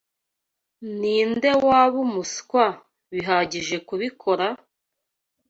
Ninde waba umuswa bihagije kubikora?